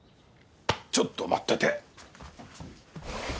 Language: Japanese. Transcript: ちょっと待ってて。